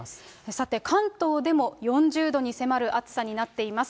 さて、関東でも４０度に迫る暑さになっています。